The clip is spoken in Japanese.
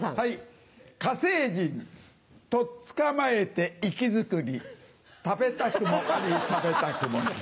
火星人取っ捕まえて生き作り食べたくもあり食べたくもなし。